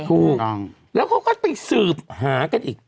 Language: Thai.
ถูกต้องแล้วเขาก็ไปสืบหากันอีก